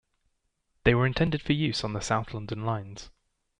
They were intended for use on the South London lines.